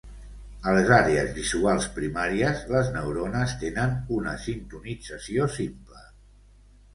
A les àrees visuals primàries, les neurones tenen una sintonització simple.